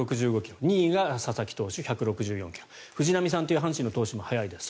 ２位が佐々木投手、１６４ｋｍ藤浪さんという阪神の投手も速いです。